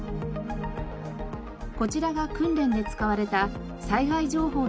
こちらが訓練で使われた災害情報のサイトです。